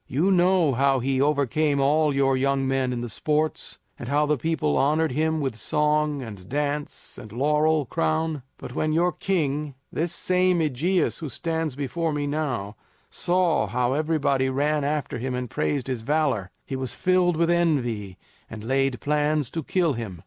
You know how he overcame all your young men in the sports, and how your people honored him with song and dance and laurel crown. But when your king, this same AEgeus who stands before me now, saw how everybody ran after him and praised his valor, he was filled with envy and laid plans to kill him.